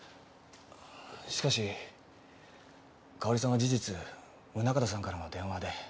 しかし佳保里さんは事実宗形さんからの電話で。